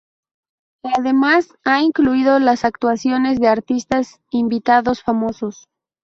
Además, ha incluido las actuaciones de artistas invitados famosos.